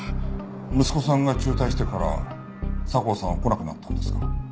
息子さんが中退してから佐向さんは来なくなったんですか。